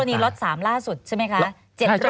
อันนี้ล็อต๓ล่าสุดใช่ไหมคะ